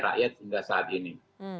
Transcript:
rakyat hingga saat ini